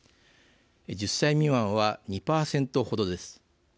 １０歳未満は２％程です。